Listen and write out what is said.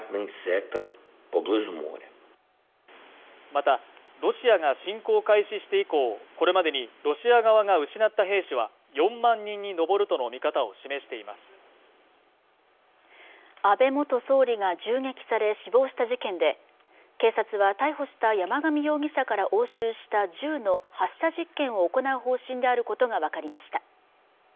またロシアが侵攻を開始して以降これまでにロシア側が失った兵士は４万人に上るとの見方を示しています安倍元総理が銃撃され死亡した事件で警察は逮捕した山上容疑者から押収した銃の発射実験を行う方針であることが分かりました